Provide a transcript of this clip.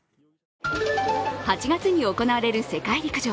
８月に行われる世界陸上。